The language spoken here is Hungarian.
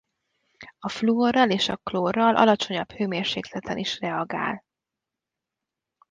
A fluorral és a klórral alacsonyabb hőmérsékleten is reagál.